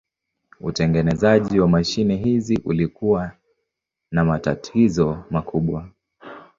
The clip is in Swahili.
Utengenezaji wa mashine hizi ulikuwa na matatizo makubwa.